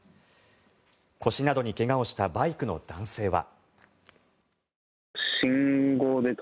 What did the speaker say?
腰などに怪我をしたバイクの男性は。